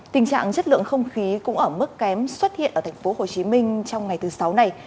tình trạng chất lượng không khí cũng ở mức kém xuất hiện ở thành phố hồ chí minh trong ngày thứ sáu này